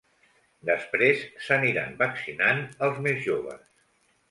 Després, s’aniran vaccinant els més joves.